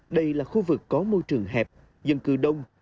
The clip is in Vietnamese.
đây là khu vực có môi trường hẹp dân cư đông